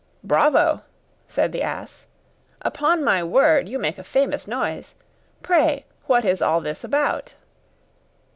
'Bravo!' said the ass; 'upon my word, you make a famous noise; pray what is all this about?